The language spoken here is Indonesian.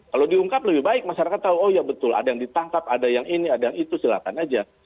kalau diungkap lebih baik masyarakat tahu oh ya betul ada yang ditangkap ada yang ini ada yang itu silahkan aja